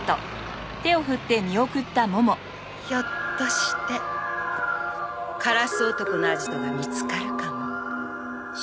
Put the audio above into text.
ひょっとしてカラス男のアジトが見つかるかも。